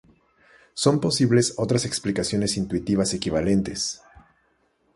Son posibles otras explicaciones intuitivas equivalentes.